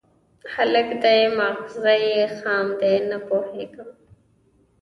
_هلک دی، ماغزه يې خام دي، نه پوهېږي.